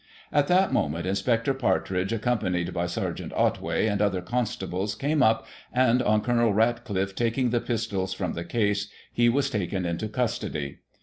At that moment. Inspector Partridge, ac companied by Sergt. Otway and other constables, came up, and^ on Col. RatclifFe taking the pistols from the case, he was taken into custody.